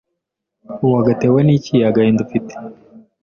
Wagatewe ni iki agahinda ufite